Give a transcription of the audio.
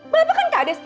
bapak kan kades